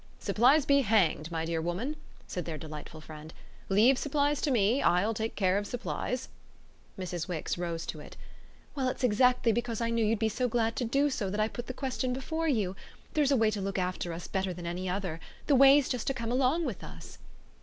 "Supplies be hanged, my dear woman!" said their delightful friend. "Leave supplies to me I'll take care of supplies." Mrs. Wix rose to it. "Well, it's exactly because I knew you'd be so glad to do so that I put the question before you. There's a way to look after us better than any other. The way's just to come along with us."